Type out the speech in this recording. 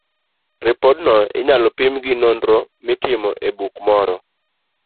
Ripodno inyalo pim gi nonro mitimo e buk moro.